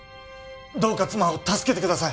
どうか妻を助けてください